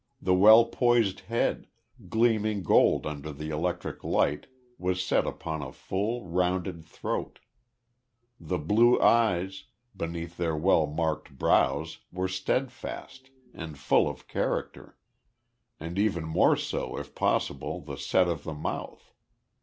The well poised head, gleaming gold under the electric light was set upon a full, rounded throat. The blue eyes, beneath their well marked brows were steadfast, and full of character, and even more so if possible the set of the mouth.